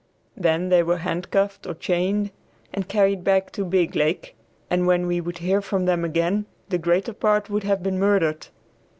Then they were handcuffed or chained and carried back to Biglake, and when we would hear from them again the greater part would have been murdered.